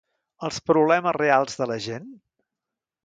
Els problemes reals de la gent?